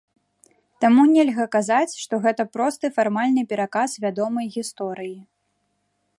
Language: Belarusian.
Таму нельга казаць, што гэта просты фармальны пераказ вядомай гісторыі.